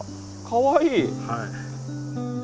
かわいい！